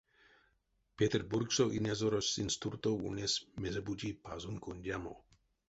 Петербургсо инязорось сынст туртов ульнесь мезе-бути пазонь кондямо.